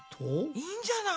いいんじゃない？